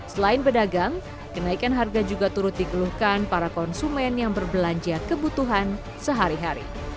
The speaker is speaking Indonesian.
selain pedagang kenaikan harga juga turut dikeluhkan para konsumen yang berbelanja kebutuhan sehari hari